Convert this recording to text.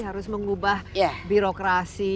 harus mengubah birokrasi